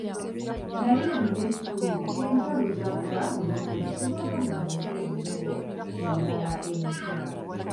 Naye nina essuubi enkya lujja kuba lulungi kubanga nguze eddobo eddala eppya.